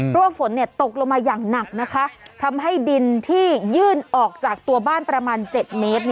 เพราะว่าฝนตกลงมาอย่างหนักนะคะทำให้ดินที่ยื่นออกจากตัวบ้านประมาณ๗เมตร